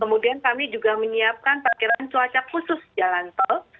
kemudian kami juga menyiapkan parkiran cuaca khusus jalan tol